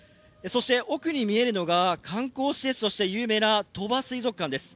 奥に見えるのが観光施設として有名な鳥羽水族館です。